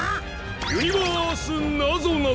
ユニバースなぞなぞ！